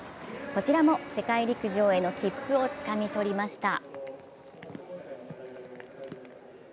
こちらも世界陸上への切符をつかみ取りました。